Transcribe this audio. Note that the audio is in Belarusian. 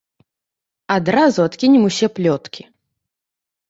Адразу адкінем усе плёткі.